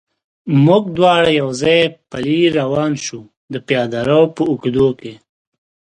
موږ دواړه یو ځای پلی روان شو، د پیاده رو په اوږدو کې.